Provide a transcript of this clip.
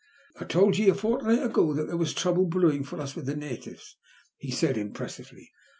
" I told ye a fortnight ago that there was trouble brewing for us with the natives," he said impres sively.